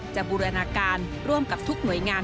บูรณาการร่วมกับทุกหน่วยงาน